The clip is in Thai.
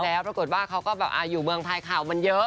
แล้วปรากฏว่าเขาก็แบบอยู่เมืองไทยข่าวมันเยอะ